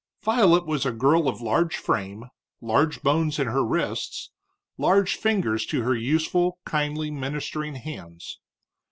Violet was a girl of large frame, large bones in her wrists, large fingers to her useful, kindly ministering hands.